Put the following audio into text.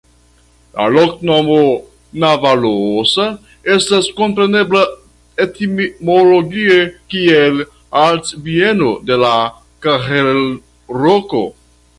La loknomo "Navalosa" estas komprenebla etimologie kiel Altbieno de la Kahelroko.